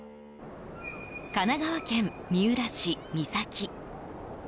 神奈川県三浦市三崎。